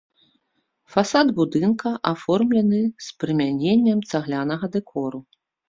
Фасад будынка аформлены з прымяненнем цаглянага дэкору.